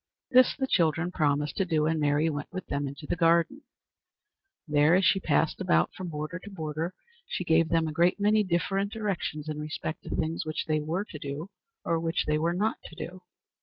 This the children promised to do, and Mary went with them into the garden. There, as she passed about from border to border, she gave them a great many different directions in respect to things which they were to do, or which they were not to do.